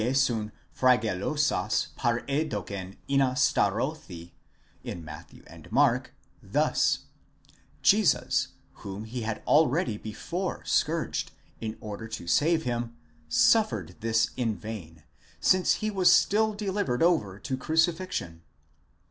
φραγελλώσας παρέδοκεν ἵνα σταυρωθῇ in Matthew and Mark thus: Jesus, whom he had already before scourged in order to save him, suffered this in vain, since he was still delivered over to crucifixion.